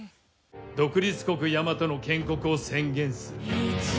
独立国「やまと」の建国を宣言する。